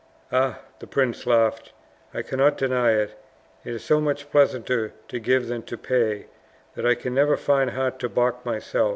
"Ah!" the prince laughed, "I cannot deny it. It is so much pleasanter to give than to pay, that I can never find heart to balk myself.